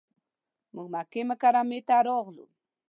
موږ مکې مکرمې ته راغلو.